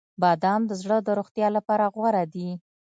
• بادام د زړه د روغتیا لپاره غوره دي.